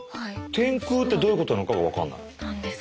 天空ってどういうことなのかが分かんない。